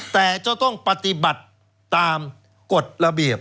แต่จะต้องปฏิบัติตามกฎระเบียบ